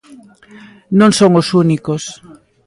Non son os únicos.